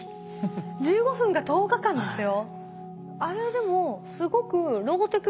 １５分が１０日間ですよ。